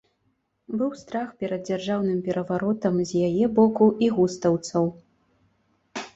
Быў страх перад дзяржаўным пераваротам з яе боку і густаўцаў.